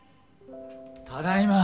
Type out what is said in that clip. ただいま。